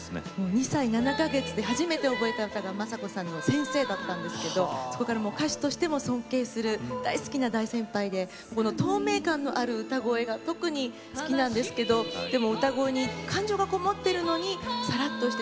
２歳７か月で初めて覚えた歌が昌子さんの「せんせい」だったんですけどそこからもう歌手としても尊敬する大好きな大先輩でこの透明感のある歌声が特に好きなんですけどでも歌声に感情がこもってるのにさらっとしてでも説得力があってまねできないですねえ。